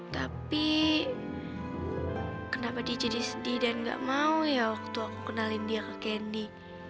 tapi kenapa dia jadi sedih dan gak mau ya waktu aku kenalin dia ke kenny